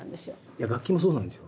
いや楽器もそうなんですよ。